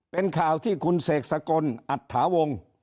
เป็นข่าวที่คุณเสกสกลอัตถาวงศ์